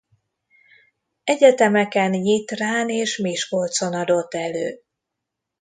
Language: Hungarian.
Egyetemeken Nyitrán és Miskolcon adott elő.